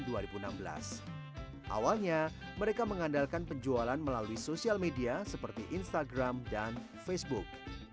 sejak tahun dua ribu tujuh belas mereka mengandalkan penjualan melalui sosial media seperti instagram dan facebook